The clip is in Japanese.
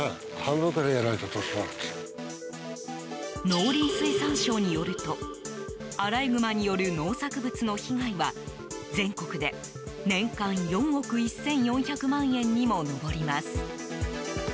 農林水産省によるとアライグマによる農作物の被害は全国で年間４億１４００万円にも上ります。